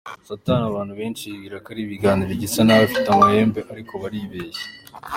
Satani abantu benshi bibwira ko ari ikigabo gisa nabi gifite amahembe ariko baribeshya.